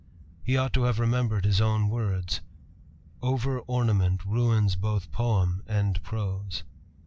He ought to have remembered his own words, "Over ornament ruins both poem and prose."